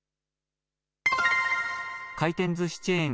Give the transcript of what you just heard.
回転ずしチェーン